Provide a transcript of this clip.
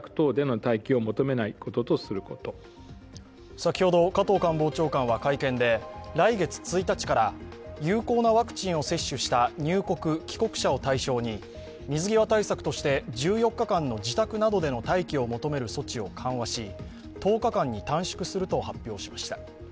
先ほど加藤官房長官は会見で来月１日から有効なワクチンを接種した入国・帰国者を対象に水際対策として１４日間の自宅などでの待機を求める措置を緩和し１０日間に短縮すると発表しました。